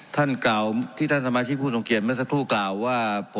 ท่านกล่าวที่ท่านสมาชิกผู้ทรงเกียจเมื่อสักครู่กล่าวว่า